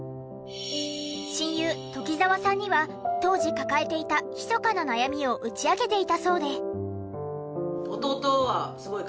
親友鴇澤さんには当時抱えていたひそかな悩みを打ち明けていたそうで。